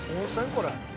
これ。